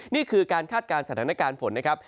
นี่คือการคาดการณ์สถานการณ์ฝนนะครับ